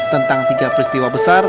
tentang tiga peristiwa besar